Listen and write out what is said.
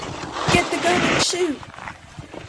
Get the gun and shoot!